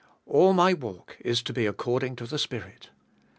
All my walk is to be according to the Spirit.